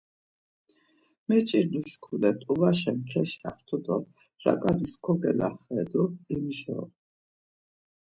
Meç̌irdu şkule t̆obaşen keşaxtu do raǩanis kogelaxedu, imjort̆u.